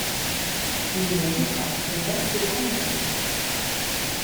Il ne joue pas et reste au camp d'entraînement.